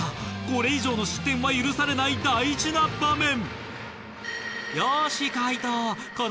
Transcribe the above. これ以上の失点は許されない大事な場面。